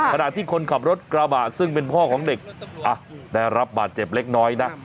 ขณะที่คนขับรถกระบะซึ่งเป็นพ่อของเด็กได้รับบาดเจ็บเล็กน้อยนะ